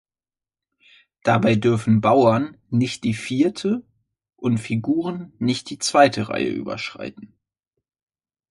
Dabei dürfen Bauern nicht die vierte und Figuren nicht die zweite Reihe überschreiten.